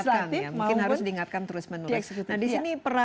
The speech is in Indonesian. dan harus diingatkan ya mungkin harus diingatkan terus menurut saya